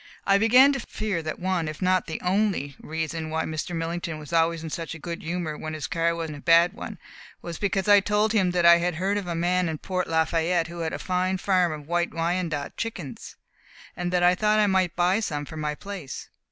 I began to fear that one, if not the only, reason why Mr. Millington was always in such a good humour when his car was in a bad one, was because I had told him that I had heard of a man in Port Lafayette who had a fine farm of White Wyandotte chickens, and that I thought I might buy some for my place.